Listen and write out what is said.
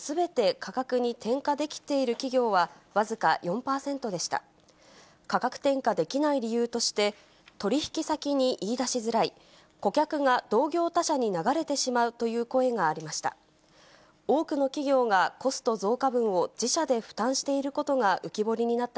価格転嫁できない理由として、取り引き先に言い出しづらい、顧客が同業他社に流れてしまうという声がありました。